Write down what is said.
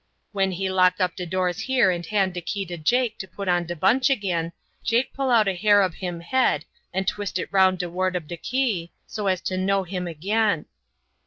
When he lock up de doors here and hand de key to Jake to put on de bunch agin, Jake pull out a hair ob him head and twist it round de ward ob de key so as to know him agin.